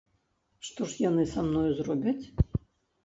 Што ж яны са мною зробяць?